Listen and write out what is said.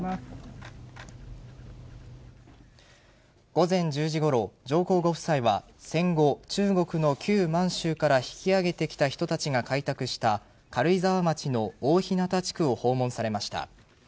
午前１０時ごろ、上皇ご夫妻は戦後、中国の旧満州から引き揚げてきた人たちが開拓した軽井沢町の大日向地区を訪問されました。